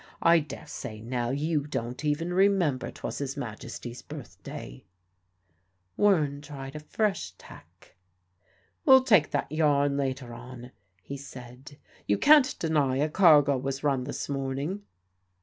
I daresay, now, you didn't even remember 'twas His Majesty's birthday." Wearne tried a fresh tack. "We'll take that yarn later on," he said. "You can't deny a cargo was run this morning."